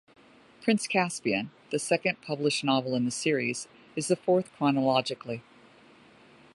"Prince Caspian", the second published novel in the series, is the fourth chronologically.